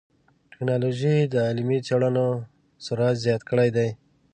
ټکنالوجي د علمي څېړنو سرعت زیات کړی دی.